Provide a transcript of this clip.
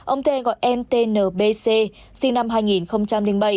ông t gọi em t n b c sinh năm hai nghìn bảy